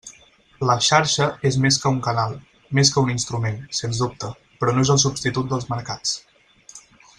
La Xarxa és més que un canal, més que un instrument, sens dubte, però no és el substitut dels mercats.